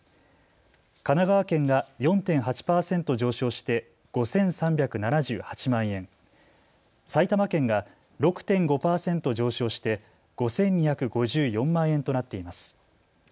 神奈川県が４．８％上昇して５３７８万円、埼玉県が６．５％上昇して５２５４万円となっています。